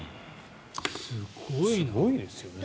すごいですね。